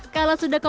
kalau sudah kemarin